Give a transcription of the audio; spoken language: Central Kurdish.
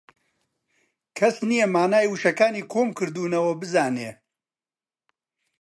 کەس نییە مانای وشەکانی کۆم کردوونەوە بزانێ